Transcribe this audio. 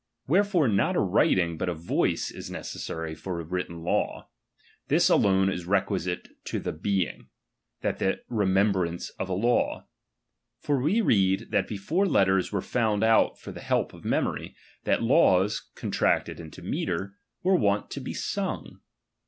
Wherefore not a writing, ^f but a voice is necessary for a written law ; this H alone is requisite to the being, that to the remem ^^ brance of a law. For we read, that before letters ^H were found out for the help of memory, that laws, ^1 contracted into metre, were wont to be sung.